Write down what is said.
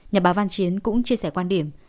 nhà báo văn chiến cũng chia sẻ quan điểm